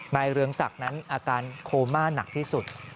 เรืองศักดิ์นั้นอาการโคม่าหนักที่สุด